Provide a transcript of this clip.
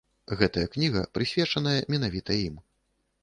Гэтая кніга прысвечаная менавіта ім.